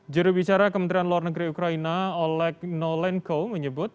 jurubicara kementerian luar negeri ukraina olek nolenko menyebut